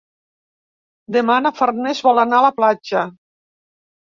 Demà na Farners vol anar a la platja.